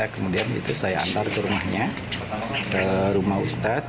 saya kemudian saya antar ke rumahnya ke rumah ustad